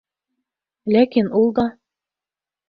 Ләкин ул да: